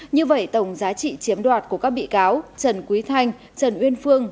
như vậy tổng giá trị chiếm đoạt của các bị cáo trần quý thanh trần uyên phương